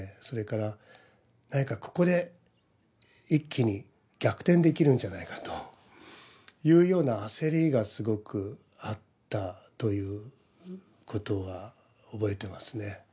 それから何かここで一気に逆転できるんじゃないかというような焦りがすごくあったという事は覚えてますね。